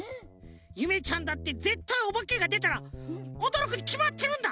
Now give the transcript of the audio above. ゆめちゃんだってぜったいおばけがでたらおどろくにきまってるんだ！